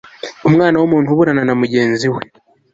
umwana w umuntu uburana na mugenzi we